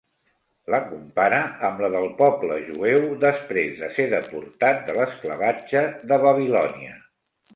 La compara amb la del poble jueu després de ser deportat de l'esclavatge de Babilònia.